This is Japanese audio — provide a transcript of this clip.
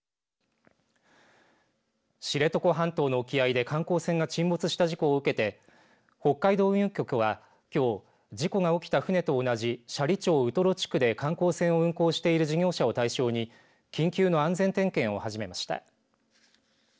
知床半島の沖合で観光船が沈没した事故を受けて北海道運輸局は、きょう事故が起きた船と同じ斜里町ウトロ地区で観光船を運航している事業者を対象に緊急の安全点検を始めました。